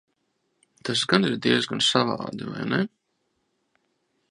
Tas gan ir diezgan savādi, vai ne?